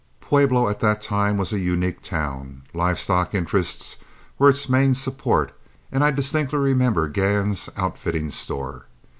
Pueblo at that time was a unique town. Live stock interests were its main support, and I distinctly remember Gann's outfitting store.